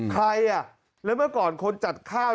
ใครอ่ะแล้วเมื่อก่อนคนจัดข้าว